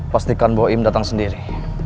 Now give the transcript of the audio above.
pastikan boim datang sendiri